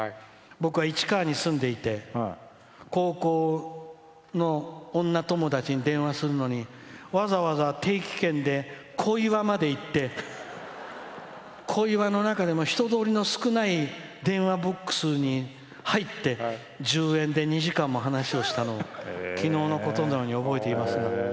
僕は市川に住んでいて高校の女友達に電話するのにわざわざ定期券で小岩まで行って小岩の中でも人通りの少ない電話ボックスに入って１０円で２時間も話をしたのをきのうのことのように覚えています。